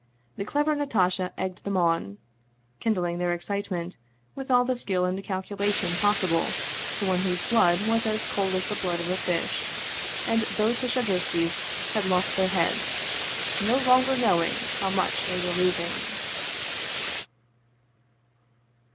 The clever Natasha egged them on, kindling their excitement with all the skill and calculation possible to one whose blood was as cold as the blood of a fish, and both the Shadurskys had lost their heads, no longer knowing how much they were losing.